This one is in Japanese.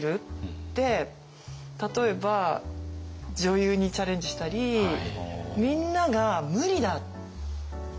で例えば女優にチャレンジしたりみんなが「無理だ！」って反対したんです。